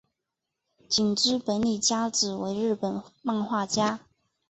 井之本理佳子为日本漫画家。